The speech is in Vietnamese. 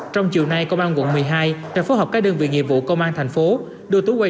trong chiều nay công an quận một mươi hai đã phối hợp các đơn vị nghiệp vụ công an thành phố đưa tú quay